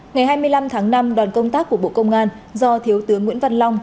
ngày hai mươi năm tháng năm đoàn công tác của bộ công an do thiếu tướng nguyễn văn long